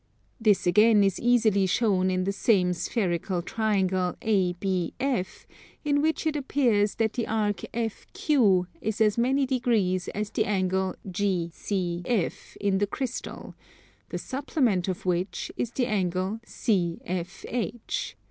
This again is easily shown in the same spherical triangle ABF, in which it appears that the arc FQ is as many degrees as the angle GCF in the crystal, the supplement of which is the angle CFH.